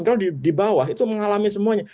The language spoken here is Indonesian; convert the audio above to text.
karena di bawah itu mengalami semuanya